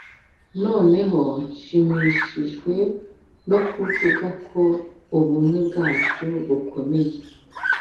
noneho nshimishijwe no kuvuga ko ubumwe bwacu bukomeye.